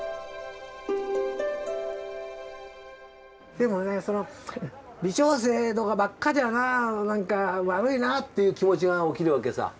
でもねその微調整とかばっかじゃな何か悪いなっていう気持ちが起きる訳さ。